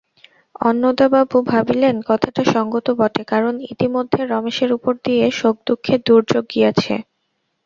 অন্নদাবাবু ভাবিলেন কথাটা সংগত বটে, কারণ ইতিমধ্যে রমেশের উপর দিয়া শোকদুঃখের দুর্যোগ গিয়াছে।